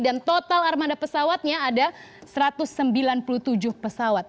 dan total armada pesawatnya ada satu ratus sembilan puluh tujuh pesawat